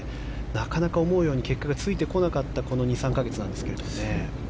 なかなか思うように結果がついてこなかったこの２３か月なんですけどね。